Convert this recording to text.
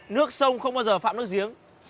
nước sông không bao giờ phạm nước giếng